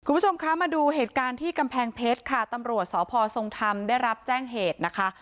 คุณผู้ชมคะมาดูเหตุการณ์ที่กำแพงเพชรค่ะตำรวจสพทรงธรรมได้รับแจ้งเหตุนะคะ